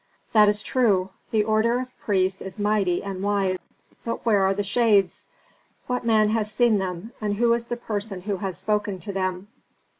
"That is true. The order of priests is mighty and wise, but where are the shades? What man has seen them, and who is the person who has spoken to them?"